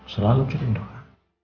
selalu kirim doka